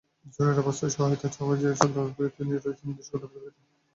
জরুরি অবস্থায় সহায়তা চাওয়ার জন্য যন্ত্রটিতে রয়েছে নির্দিষ্ট কর্তৃপক্ষের কাছে ফোনের ব্যবস্থা।